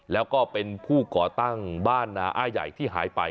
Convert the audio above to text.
แล้วก็เป็นผู้ก่อตั้งบ้านนาอ้าใหญ่ที่หายไป